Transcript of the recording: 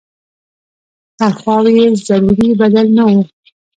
تنخواوې یې ضروري بدل نه وو.